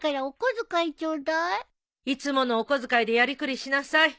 いつものお小遣いでやりくりしなさい。